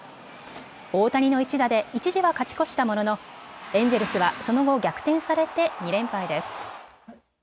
大谷の１打で一時は勝ち越したもののエンジェルスはその後逆転されて２連敗です。